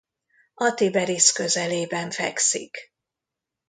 A Tiberis közelében fekszik.